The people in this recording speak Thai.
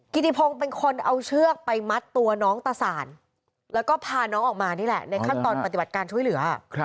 กิติพงศ์เป็นคนเอาเชือกไปมัดตัวน้องตะสารแล้วก็พาน้องออกมานี่แหละในขั้นตอนปฏิบัติการช่วยเหลือ